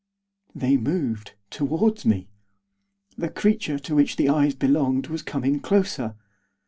They moved, towards me. The creature to which the eyes belonged was coming closer.